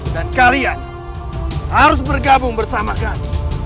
dan kalian harus bergabung bersamakan